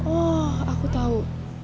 oh aku tahu